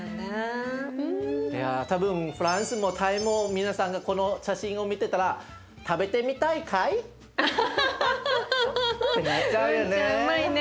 いや多分フランスもタイも皆さんがこの写真を見てたらってなっちゃうよね。